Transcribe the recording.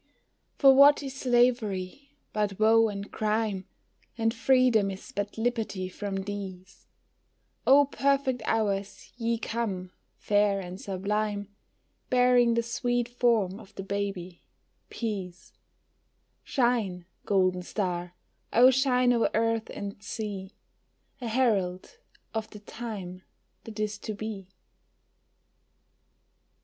For what is slavery but woe and crime, And freedom is but liberty from these; Oh perfect hours, ye come, fair and sublime, Bearing the sweet form of the baby, Peace, Shine, golden star, oh shine o'er earth and sea, A herald of the Time that is to be.